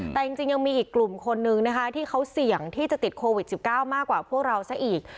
แต่จริงยังมีอีกกลุ่มคนนึงนะคะที่เขาเสี่ยงที่จะติดโควิด๑๙มากกว่าพวกเราซะอีก